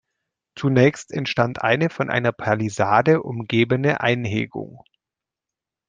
Zunächst entstand eine, von einer Palisade umgebene Einhegung.